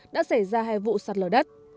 đã xảy ra hai vụ sạt lở đất